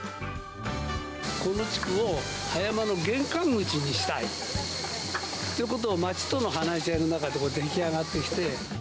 この地区を葉山の玄関口にしたいっていうことを、町との話し合いの中で、出来上がってきて。